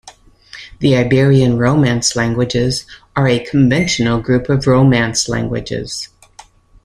The Iberian Romance languages are a conventional group of Romance languages.